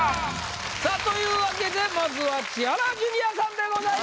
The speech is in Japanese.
さぁというわけでまずは千原ジュニアさんでございます。